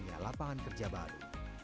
tanya lapangan kerja baru